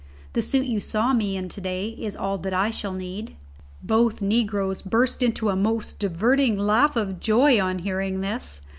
The suit you saw me in to day is all that I shall need." Both negroes burst into a most diverting laugh of joy on hearing this.